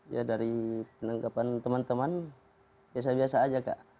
ya dari penanggapan teman teman biasa biasa saja kak